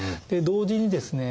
同時にですね